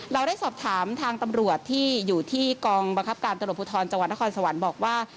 เราได้สอบถามทางตำรวจที่อยู่ที่กองบังคับการตำรวจภูทรจังหวัดนครสวรรค์บอกว่า